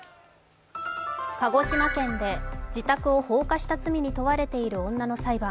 鹿児島県で自宅を放火した罪に問われている女の裁判。